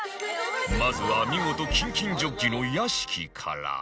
まずは見事キンキンジョッキの屋敷から